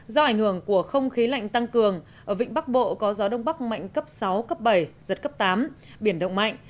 do ảnh hưởng của không khí lạnh tăng cường ở vịnh bắc bộ có gió đông bắc mạnh cấp sáu cấp bảy giật cấp tám biển động mạnh